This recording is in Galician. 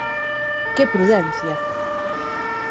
¡Que prudencia!